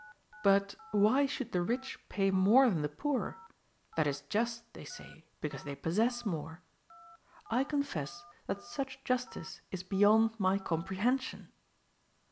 But why should the rich pay more than the poor? That is just, they say, because they possess more. I confess that such justice is beyond my comprehension.